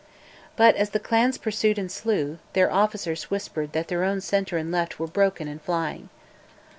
But, as the clans pursued and slew, their officers whispered that their own centre and left were broken and flying.